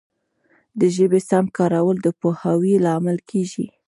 د ژبي سم کارول د پوهاوي لامل کیږي.